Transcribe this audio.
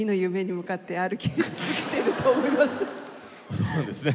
そうなんですね。